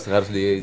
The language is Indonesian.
harus di positif